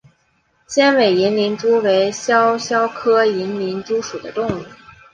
尖尾银鳞蛛为肖峭科银鳞蛛属的动物。